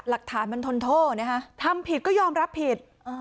หลักฐานมันทนโทษนะคะทำผิดก็ยอมรับผิด